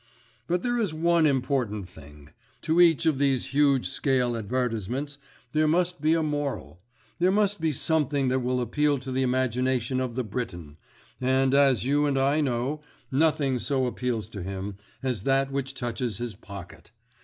"But there is one important thing. To each of these huge scale advertisements there must be a moral. There must be something that will appeal to the imagination of the Briton, and, as you and I know, nothing so appeals to him as that which touches his pocket.